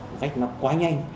một cách nó quá nhanh